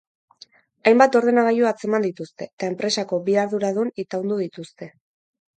Hainbat ordenagailu atzeman dituzte, eta enpresako bi arduradun itaundu dituzte.